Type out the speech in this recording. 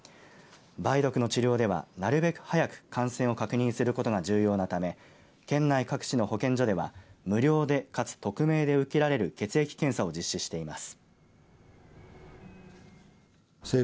梅毒の治療では、なるべく早く感染を確認することが重要なため県内各地の保健所では無料でかつ匿名で受けられる血液検査を実施しています。